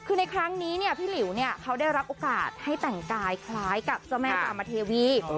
คือในครั้งนี้เนี่ยพี่หลิวเนี่ยเขาได้รับโอกาสให้แต่งกายคล้ายกับเจ้าแม่จามเทวี